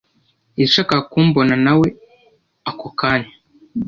yashakaga kumbonawe ako kanya.